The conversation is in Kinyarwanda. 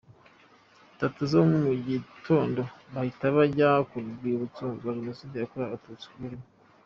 tatu za mugitondo, bahita bajya ku rwibutso rwa Jenoside yakorewe abatutsi ruri.